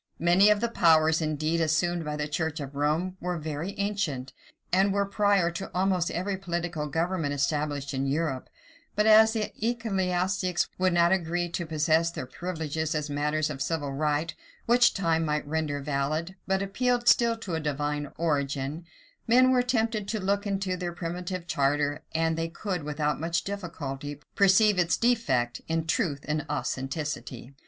Many of the powers, indeed, assumed by the church of Rome, were very ancient, and were prior to almost every political government established in Europe: but as the ecclesiastics would not agree to possess their privileges as matters of civil right, which time might render valid, but appealed still to a divine origin, men were tempted to look into their primitive charter, and they could, without much difficulty, perceive its defect in truth and authenticity.